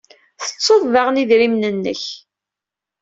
Tettuḍ daɣen idrimen-nnek.